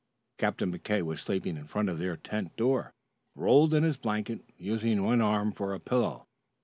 Captain McKay was sleeping in front of their tent door, rolled in his blanket, using one arm for a pillow.